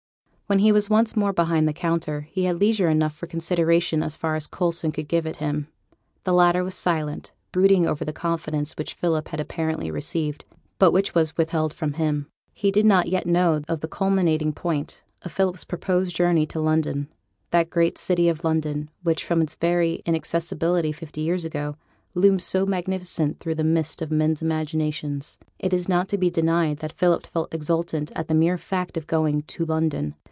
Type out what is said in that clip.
When he was once more behind the counter, he had leisure enough for consideration as far as Coulson could give it him. The latter was silent, brooding over the confidence which Philip had apparently received, but which was withheld from him. He did not yet know of the culminating point of Philip's proposed journey to London; that great city of London, which, from its very inaccessibility fifty years ago, loomed so magnificent through the mist of men's imaginations. It is not to be denied that Philip felt exultant at the mere fact of 'going to London.'